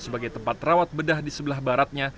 sebagai tempat rawat bedah di sebelah baratnya